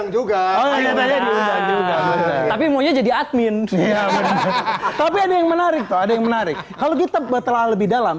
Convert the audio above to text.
juga tapi mau jadi admin tapi ada yang menarik ada yang menarik kalau kita betul lebih dalam